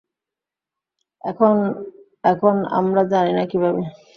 এখন, এখন, আমরা জানিনা কিভাবে।